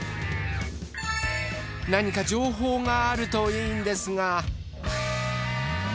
何か情報があるといいんですが。